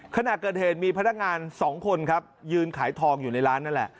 ขณะเกิดเหตุมีพนักงาน๒คนครับยืนขายทองอยู่ในร้านนั่นแหละ